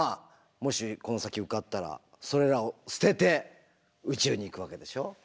もしこの先受かったらそれらを捨てて宇宙に行くわけでしょ。